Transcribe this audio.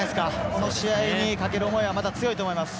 この試合にかける思いはまた強いと思います。